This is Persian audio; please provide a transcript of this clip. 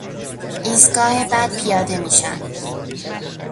ایستگاه بعد پیاده میشم